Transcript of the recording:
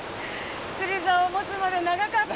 釣りザオ持つまで長かった。